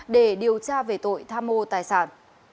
để điều tra về tội tham mô tài sản